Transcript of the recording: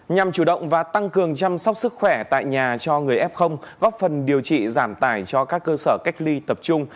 nhằm chủ động và tăng cường chăm sóc sức khỏe tại nhà cho người f góp phần điều trị giảm tải cho các cơ sở cách ly tập trung